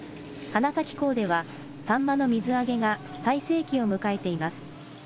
花咲港ではサンマの水揚げが最盛期を迎えています。